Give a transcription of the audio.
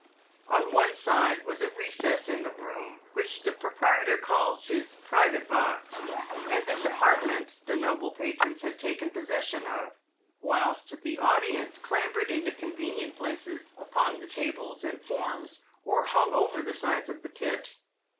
On one side was a recess in the room, which the proprietor calls his "private box," and this apartment the noble patrons had taken possession of, whilst the audience clambered into convenient places upon the tables and forms, or hung over the sides of the pit.